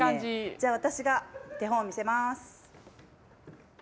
じゃあ私が手本を見せます。